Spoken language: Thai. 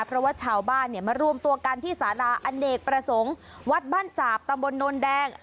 เพราะว่าชาวบ้านเนี่ยมารวมตัวกันที่สาราอเนกประสงค์วัดบ้านจาบตำบลโนนแดง